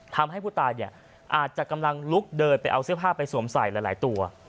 ทำให้ผู้ตายเนี่ยอาจจะกำลังลุกเดินไปเอาเสื้อผ้าไปสวมใส่หลายตัว